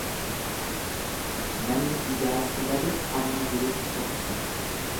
Manni ijaarsa bade amma jirutti fokkisa.